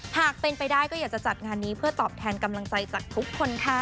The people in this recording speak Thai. หากเป็นไปได้ก็อยากจะจัดงานนี้เพื่อตอบแทนกำลังใจจากทุกคนค่ะ